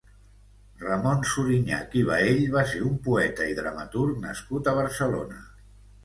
Ramon Suriñach i Baell va ser un poeta i dramaturg nascut a Barcelona.